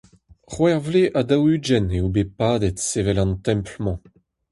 C’hwec’h vloaz ha daou-ugent eo bet padet sevel an Templ-mañ.